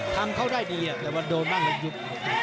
ทำเค้าได้ดีอะแต่วันโดดมันก็ยุบ